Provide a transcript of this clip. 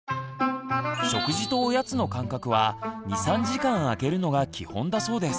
食事とおやつの間隔は２３時間あけるのが基本だそうです。